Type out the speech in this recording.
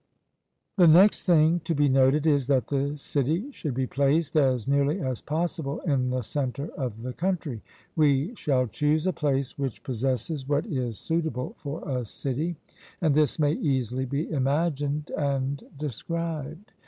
The next thing to be noted is, that the city should be placed as nearly as possible in the centre of the country; we should choose a place which possesses what is suitable for a city, and this may easily be imagined and described.